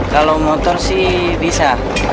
kalau motor sih bisa